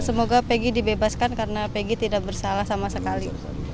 ya semoga pegi dibebaskan karena pegi tidak bersalah sama sekali